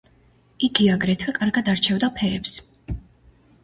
იგი აგრეთვე კარგად არჩევდა ფერებს.